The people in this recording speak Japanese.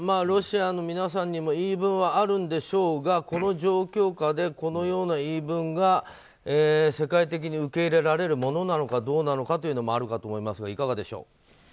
ロシアの皆さんにも言い分はあるんでしょうがこの状況下でこのような言い分が世界的に受け入れられるものかどうなのかというところもありますがいかがでしょう。